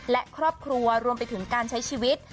และครอบครัวรวมไปถึงการใช้ชีวิต